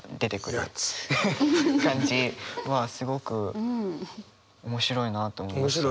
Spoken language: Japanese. フフッ感じはすごく面白いなと思いました。